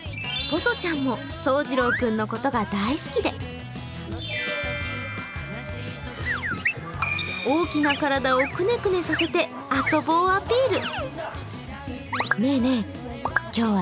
ぽそちゃんもそうじろう君のことが大好きで大きな体をくねくねさせて遊ぼうアピール。